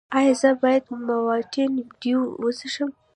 ایا زه باید ماونټین ډیو وڅښم؟